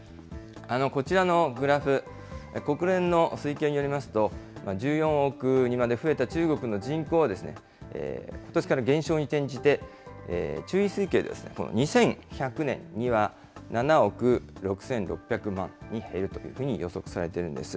こちらのグラフ、国連の推計によりますと、１４億にまで増えた中国の人口は、ことしから減少に転じて、中位推計では２１００年には７億６６００万に減るというふうに予測されてるんです。